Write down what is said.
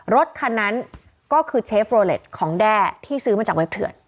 รถคันนั้นก็คือเชฟโรเล็ตของแด้ที่ซื้อมาจากเว็บเทือน